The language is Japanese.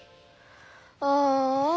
ああ。